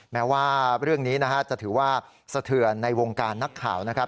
แม้ว่าเรื่องนี้นะฮะจะถือว่าสะเทือนในวงการนักข่าวนะครับ